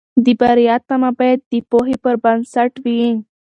د بریا تمه باید د پوهې پر بنسټ وي.